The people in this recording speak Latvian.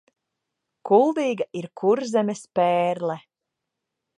Kuldīga ir Kurzemes pērle.